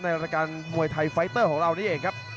รายการมวยไทยไฟเตอร์ของเรานี่เองครับ